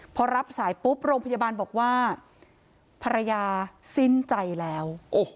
พอรับสายปุ๊บโรงพยาบาลบอกว่าภรรยาสิ้นใจแล้ว